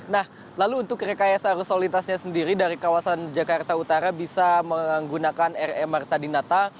nah lalu untuk rekayasa arus solintasnya sendiri dari kawasan jakarta utara bisa menggunakan r e marta dinata